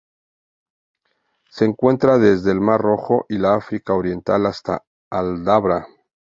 Se encuentra desde el Mar Rojo y la África Oriental hasta Aldabra.